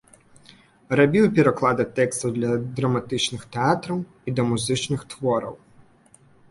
Рабіў пераклады тэкстаў для драматычных тэатраў і да музычных твораў.